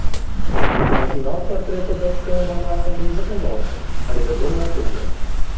Арыгінал партрэта дацкага манарха не захаваўся, але вядомая копія.